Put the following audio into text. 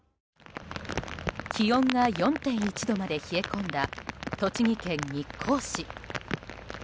気温が４．１度まで冷え込んだ栃木県日光市。